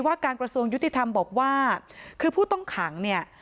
ว่าการกระทรวงยุติธรรมบอกว่าคือผู้ต้องขังเนี่ย